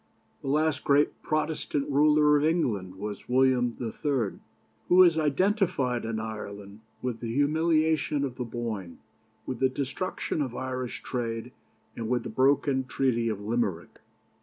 "The last great Protestant ruler of England was William III., who is identified in Ireland with the humiliation of the Boyne, with the destruction of Irish trade, and with the broken Treaty of Limerick.